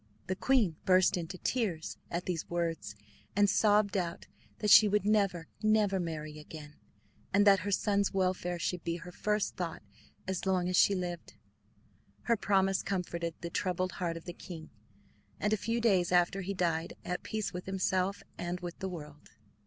The queen burst into tears at these words, and sobbed out that she would never, never marry again, and that her son's welfare should be her first thought as long as she lived. Her promise comforted the troubled heart of the king, and a few days after he died, at peace with himself and with the world.